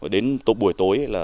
đến buổi tối